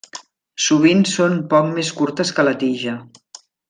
Sovint són poc més curtes que la tija.